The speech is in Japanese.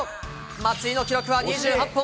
松井の記録は２８本。